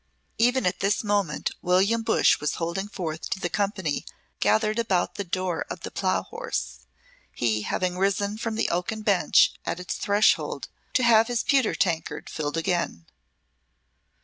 Even at this moment, William Bush was holding forth to the company gathered about the door of the Plough Horse, he having risen from the oaken bench at its threshold to have his pewter tankard filled again.